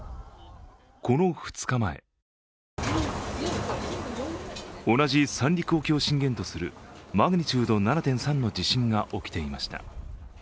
この２日前同じ三陸沖を震源とするマグニチュード７．３の地震が起きていました。